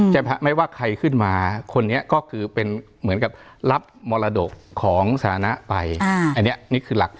ไม่ว่าใครขึ้นมาคนนี้ก็คือเป็นเหมือนกับรับมรดกของสถานะไปอันนี้นี่คือหลัก